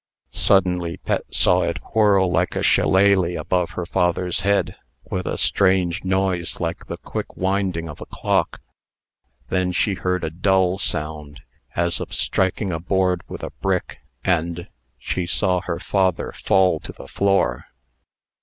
Suddenly Pet saw it whirl like a shillelah above her father's head, with a strange noise like the quick winding of a clock. Then she heard a dull sound, as of striking a board with a brick, and she saw her father fall to the floor.